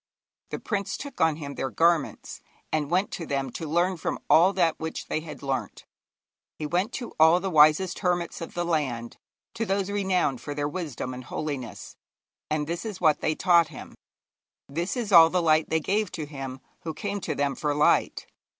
The prince took on him their garments, and went to them to learn from all that which they had learnt. He went to all the wisest hermits of the land, to those renowned for their wisdom and holiness; and this is what they taught him, this is all the light they gave to him who came to them for light.